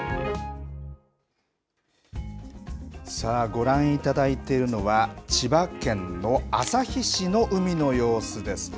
ご覧いただいているのは、千葉県の旭市の海の様子です。